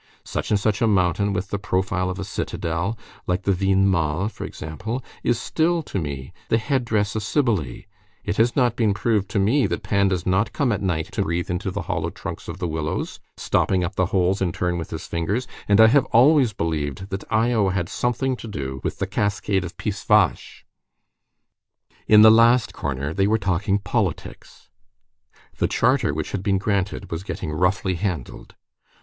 Such and such a mountain with the profile of a citadel, like the Vignemale, for example, is still to me the headdress of Cybele; it has not been proved to me that Pan does not come at night to breathe into the hollow trunks of the willows, stopping up the holes in turn with his fingers, and I have always believed that Io had something to do with the cascade of Pissevache." In the last corner, they were talking politics. The Charter which had been granted was getting roughly handled.